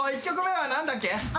１曲目は何だっけ？